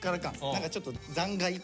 何かちょっと残骸。